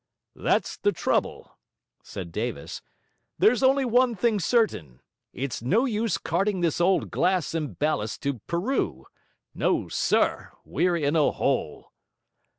'That's the trouble,' said Davis. 'There's only one thing certain: it's no use carting this old glass and ballast to Peru. No, SIR, we're in a hole.'